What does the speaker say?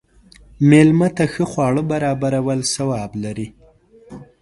مېلمه ته ښه خواړه برابرول ثواب لري.